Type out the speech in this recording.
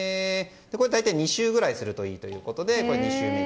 大体２周ぐらいするといいということです。